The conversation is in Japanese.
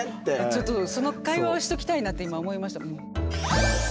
ちょっとその会話をしときたいなって今思いました。